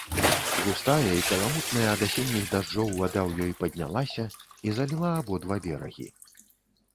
Густая і каламутная ад асенніх дажджоў вада ў ёй паднялася і заліла абодва берагі.